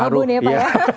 abu abun ya pak ya